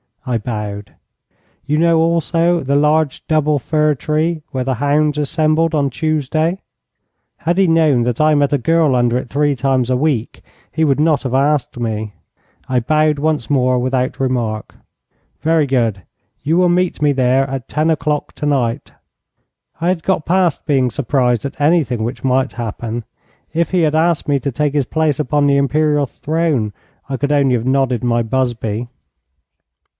I bowed. 'You know also the large double fir tree where the hounds assembled on Tuesday?' Had he known that I met a girl under it three times a week, he would not have asked me. I bowed once more without remark. 'Very good. You will meet me there at ten o'clock tonight.' I had got past being surprised at anything which might happen. If he had asked me to take his place upon the imperial throne I could only have nodded my busby.